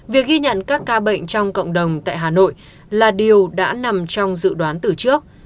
việc ghi nhận các ca bệnh trong cộng đồng tại hà nội là điều đã nằm trong dự đoán từ trước